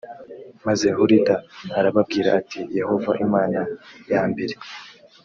maze hulida arababwira ati yehova imana yambere